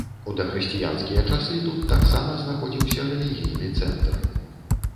У дахрысціянскія часы тут таксама знаходзіўся рэлігійны цэнтр.